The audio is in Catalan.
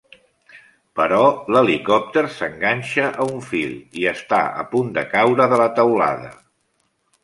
Però l'helicòpter s'enganxa a un fil i està a punt de caure de la teulada.